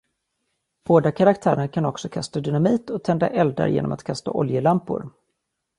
Båda karaktärerna kan också kasta dynamit och tända eldar genom att kasta oljelampor.